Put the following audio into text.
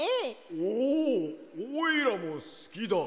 おおおいらもすきだ！